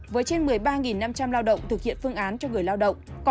với trên một mươi ba năm trăm linh lao động thực hiện phương án cho người lao động